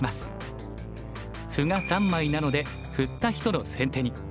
歩が３枚なので振った人の先手に。